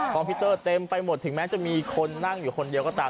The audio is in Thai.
พิวเตอร์เต็มไปหมดถึงแม้จะมีคนนั่งอยู่คนเดียวก็ตาม